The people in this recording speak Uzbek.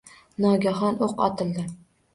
Nogahon o’q otildi